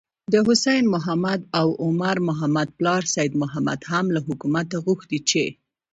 د حسين محمد او عمر محمد پلار سيد محمد هم له حکومته غوښتي چې: